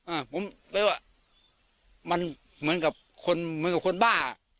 อ่าผมแปลว่ามันเหมือนกับคนเหมือนกับคนบ้าอ่ะ